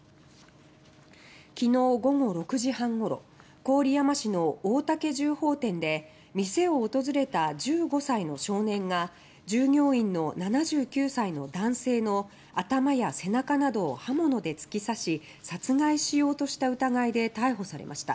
きのう午後６時半ごろ郡山市の大竹銃砲店で店を訪れた１５歳の少年が従業員の７９歳の男性の頭や背中などを刃物で突き刺し殺害しようとした疑いで逮捕されました。